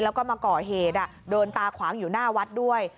แล้วก็มาก่อเหตุโดนตาขวางอยู่หน้าวัดด้วย